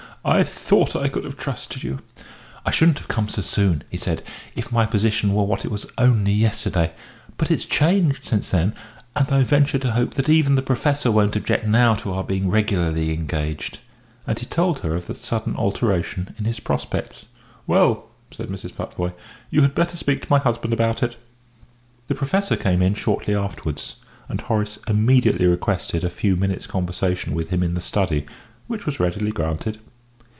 "I thought I could have trusted you!" "I shouldn't have come so soon," he said, "if my position were what it was only yesterday. But it's changed since then, and I venture to hope that even the Professor won't object now to our being regularly engaged." And he told her of the sudden alteration in his prospects. "Well," said Mrs. Futvoye, "you had better speak to my husband about it." The Professor came in shortly afterwards, and Horace immediately requested a few minutes' conversation with him in the study, which was readily granted.